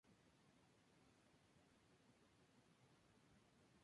Un impacto directo probablemente destruiría el dron.